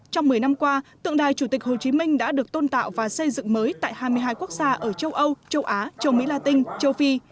trong một mươi năm qua tượng đài chủ tịch hồ chí minh đã được tôn tạo và xây dựng mới tại hai mươi hai quốc gia ở châu âu châu á châu mỹ la tinh châu phi